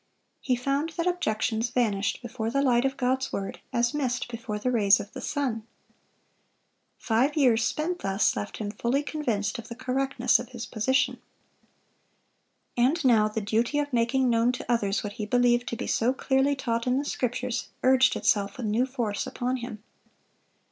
He found that objections vanished before the light of God's word, as mist before the rays of the sun. Five years spent thus, left him fully convinced of the correctness of his position. And now the duty of making known to others what he believed to be so clearly taught in the Scriptures, urged itself with new force upon him.